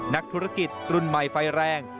นักธุรกิจรุ่นใหม่ไฟแรง